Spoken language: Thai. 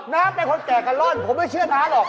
น้าเป็นคนแจกกระล่อนผมไม่เชื่อน้าหรอก